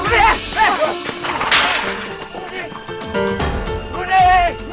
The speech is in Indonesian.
termarah lah sama kita